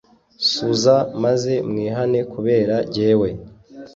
suza maze mwihane kubera jyewe: